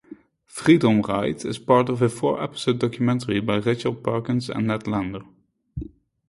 "Freedom Ride" is part of a four-episode documentary by Rachel Perkins and Ned Lander.